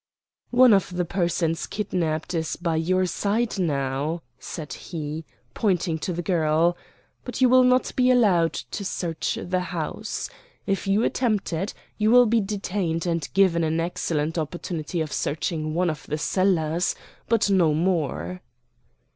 "One of the persons kidnapped is by your side now," said he, pointing to the girl; "but you will not be allowed to search the house. If you attempt it, you will be detained and given an excellent opportunity of searching one of the cellars, but no more."